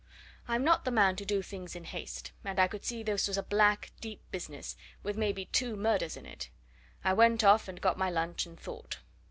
I'm not the man to do things in haste, and I could see this was a black, deep business, with maybe two murders in it. I went off and got my lunch and thought.